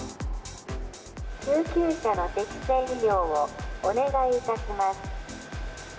救急車の適正利用をお願いいたします。